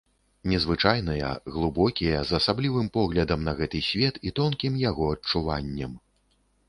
Незвычайныя, глыбокія, з асаблівым поглядам на гэты свет і тонкім яго адчуваннем.